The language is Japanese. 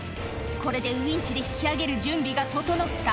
これでウインチで引き上げる準備が整った。